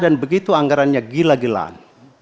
dan begitu anggarannya gila gilaan